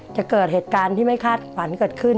เกิดเหตุการณ์ที่ไม่คาดฝันเกิดขึ้น